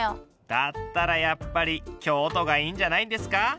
だったらやっぱり京都がいいんじゃないんですか。